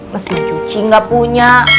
mesin cuci gak punya